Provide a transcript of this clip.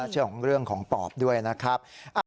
เชื่อของเรื่องของปอบด้วยนะครับ